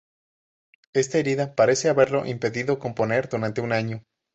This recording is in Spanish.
Esta herida parece haberlo impedido componer durante un año.